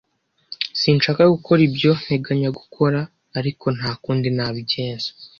Sinshaka gukora ibyo nteganya gukora, ariko nta kundi nabigenza.